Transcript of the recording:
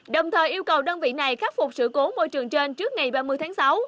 đồng thời yêu cầu đơn vị này khắc phục sự cố môi trường trên trước ngày ba mươi tháng sáu